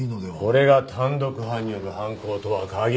これが単独犯による犯行とは限らない。